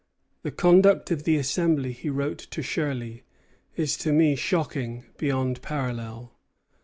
"The conduct of the Assembly," he wrote to Shirley, "is to me shocking beyond parallel."